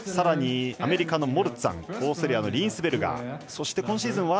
さらに、アメリカのモルツァンオーストリアのリーンスベルガー。